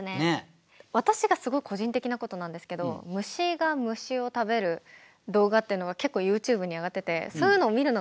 私がすごい個人的なことなんですけど虫が虫を食べる動画っていうのが結構ＹｏｕＴｕｂｅに上がってて意外。